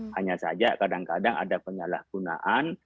hanya saja kadang kadang ada penyalahgunaan